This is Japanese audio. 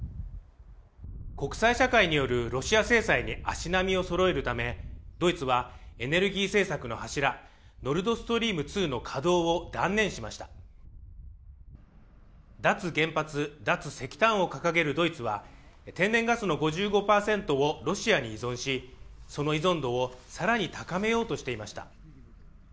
国際社会によるロシア制裁に足並みをそろえるためドイツはエネルギー政策の柱ノルドストリーム２の稼働を断念しました脱原発脱石炭を掲げるドイツは天然ガスの５５％をロシアに依存しその依存度をさらに高めようとしていました